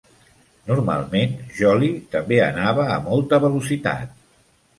Normalment, Jolly també anava a molta velocitat.